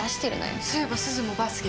そういえばすずもバスケ好きだよね？